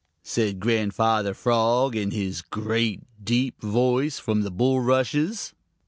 said Grandfather Frog in his great deep voice from the bulrushes.